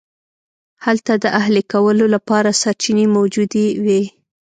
هلته د اهلي کولو لپاره سرچینې موجودې وې.